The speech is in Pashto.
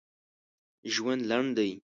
ژوند لنډ دی.